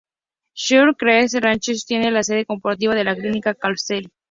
Shadow Creek Ranch tiene la sede corporativa de la Clínica Kelsey-Seybold.